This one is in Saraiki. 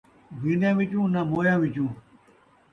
جین٘دیاں وچوں ناں مویاں وچوں